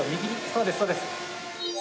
そうですそうです。